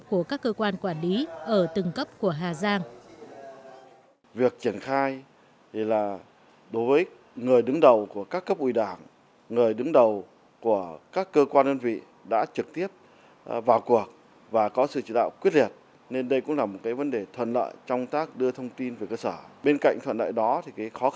của các cơ quan quản lý ở từng cấp của hà giang